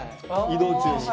移動中に。